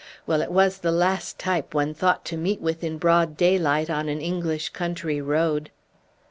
Well, it was the last type one thought to meet with in broad daylight on an English country road!"